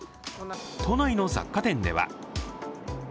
都内の雑貨店では。